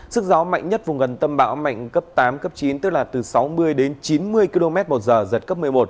sức gió mạnh nhất vùng gần tâm bão mạnh cấp tám cấp chín tức là từ sáu mươi đến chín mươi km một giờ giật cấp một mươi một